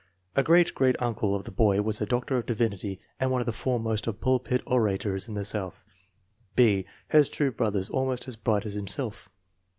A great great uncle of the boy was a doctor of divinity and one of the foremost of pulpit orators in the South. B. has two brothers almost as bright as himself.